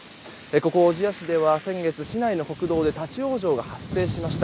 小千谷市では先月、市内の国道で立ち往生が発生しました。